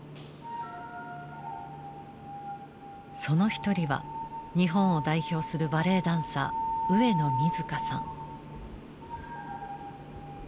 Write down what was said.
その一人は日本を代表するバレエダンサー上野水香さん。